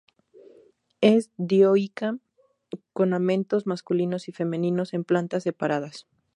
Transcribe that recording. Es dioica, con amentos masculinos y femeninos en plantas separadas.